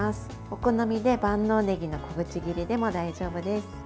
お好みで万能ねぎの小口切りでも大丈夫です。